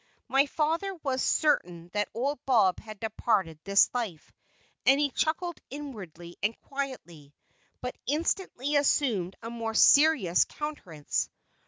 My father was certain that old Bob had departed this life, and he chuckled inwardly and quietly, but instantly assumed a most serious countenance.